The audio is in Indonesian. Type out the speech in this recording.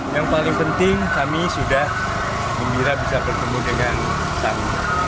yang paling penting kami sudah gembira bisa bertemu dengan kami